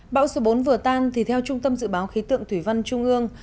bão số bốn vừa tan thì theo trung tâm dự báo khí tượng thủy văn trung ương